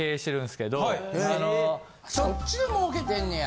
そっちで儲けてんねや。